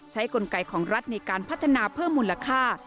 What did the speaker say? กลไกของรัฐในการพัฒนาเพิ่มมูลค่า